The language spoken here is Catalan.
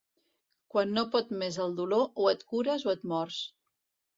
Quan no pot més el dolor, o et cures o et mors.